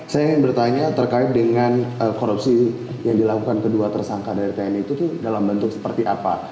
saya ingin bertanya terkait dengan korupsi yang dilakukan kedua tersangka dari tni itu dalam bentuk seperti apa